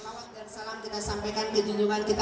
saya akan sampaikan kejunjungan kita nanti